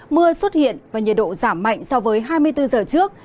mưa xuất hiện và nhiệt độ giảm mạnh so với hai mươi bốn giờ trước